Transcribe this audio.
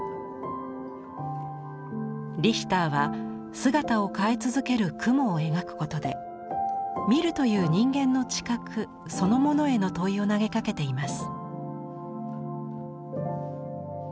リヒターは姿を変え続ける「雲」を描くことで「見る」という人間の知覚そのものへの問いを投げかけています。